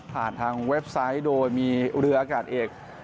ผ่านทางเว็บไซต์โดยมีเรืออากาศเอก